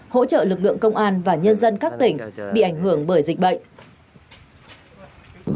hỗ trợ lực lượng công an và nhân dân các tỉnh bị ảnh hưởng bởi dịch bệnh